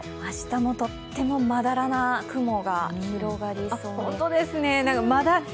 明日もとってもまだらな雲が広がりそうです。